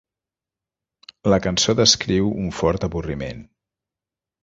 La cançó descriu un fort avorriment.